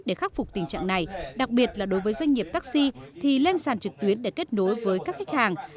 để khắc phục tình trạng này đặc biệt là đối với doanh nghiệp taxi thì lên sàn trực tuyến để kết nối với các khách hàng